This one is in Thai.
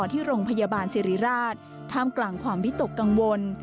ที่โรงพยาบาลสิริราชท่ามกลางความวิตกกังวล